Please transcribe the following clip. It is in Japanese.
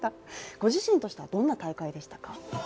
ご自身としては、どんな大会でしたか？